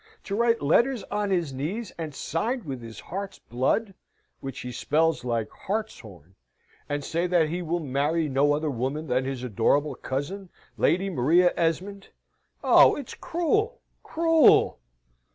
to write letters on his knees and signed with his heart's blood (which he spells like hartshorn), and say that he will marry no other woman than his adorable cousin, Lady Maria Esmond. Oh! it's cruel cruel!"